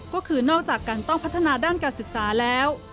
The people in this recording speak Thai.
ก็คือนอกจากการต้องพัฒนาด้านการศึกษาแล้ว